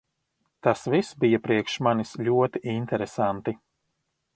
Tas viss bija priekš manis ļoti interesanti.